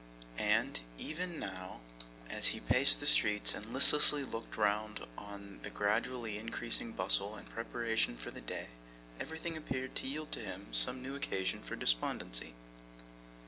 And, even now, as he paced the streets, and listlessly looked round on the gradually increasing bustle and preparation for the day, everything appeared to yield him some new occasion for despondency.